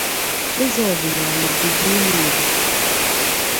eze ọdịnala obodi Ụmụeri